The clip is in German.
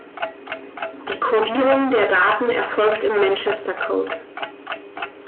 Die Kodierung der Daten erfolgt im Manchester-Code.